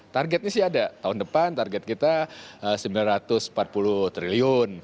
targetnya sih ada tahun depan target kita rp sembilan ratus empat puluh triliun